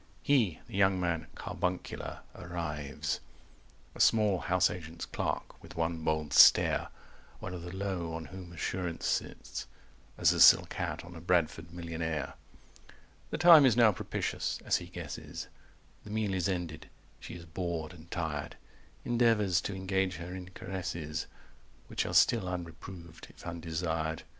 230 He, the young man carbuncular, arrives, A small house agent's clerk, with one bold stare, One of the low on whom assurance sits As a silk hat on a Bradford millionaire. The time is now propitious, as he guesses, 235 The meal is ended, she is bored and tired, Endeavours to engage her in caresses Which still are unreproved, if undesired.